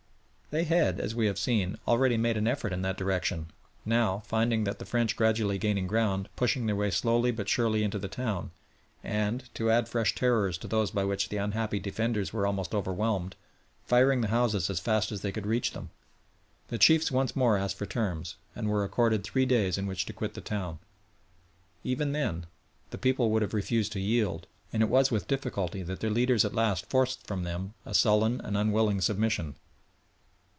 They had, as we have seen, already made an effort in that direction, now, finding the French gradually gaining ground, pushing their way slowly but surely into the town and, to add fresh terrors to those by which the unhappy defenders were almost overwhelmed, firing the houses as fast as they could reach them, the chiefs once more asked for terms, and were accorded three days in which to quit the town. Even then the people would have refused to yield, and it was with difficulty that their leaders at last forced from them a sullen and unwilling submission.